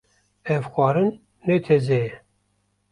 Ev xwarin ne teze ye.